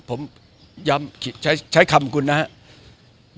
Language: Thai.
ผมย้ำใช้คำคุณนะครับ